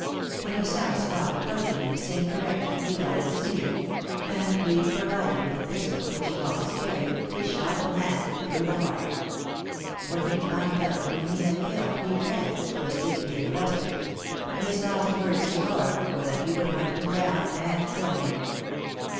When he saw Scott approaching in the same direction he thought it was me; and, being provided with a pistol, which he always carried, he shot the man through the heart. When he found out whom he had killed, he fled, to escape being arrested; but his last words to Laura were that he would hunt me down and kill me.